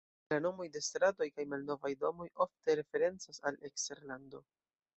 La nomoj de stratoj kaj malnovaj domoj ofte referencas al eksterlando.